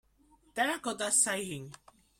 Terracotta Sighing